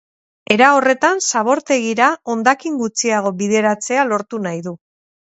Era horretan, zabortegira hondakin gutxiago bideratzea lortu nahi du.